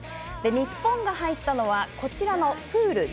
日本が入ったのはこちらのプールＤです。